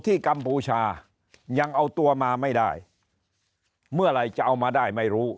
กัมพูชายังเอาตัวมาไม่ได้เมื่อไหร่จะเอามาได้ไม่รู้